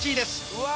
うわ！